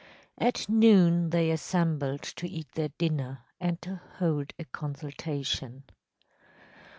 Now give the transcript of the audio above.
At noon they assembled to eat their dinner and to hold a consultation.